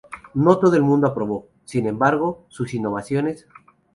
No todo el mundo aprobó, sin embargo, sus innovaciones.